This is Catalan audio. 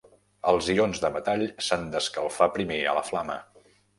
Els ions de metall s'han d'escalfar primer a la flama.